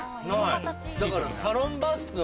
だから。